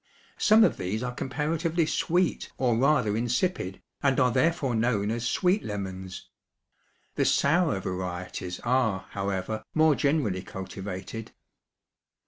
Some of these are comparatively sweet or rather insipid and are therefore known as sweet lemons. The sour varieties are, however, more generally cultivated.